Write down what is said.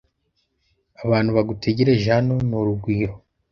Abantu bagutegereje hano ni urugwiro.